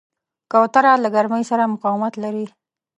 کوتره له ګرمۍ سره مقاومت لري.